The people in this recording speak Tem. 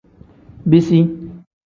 Bisi.